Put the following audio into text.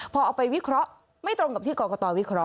พอเอาไปวิเคราะห์ไม่ตรงกับที่กรกตวิเคราะ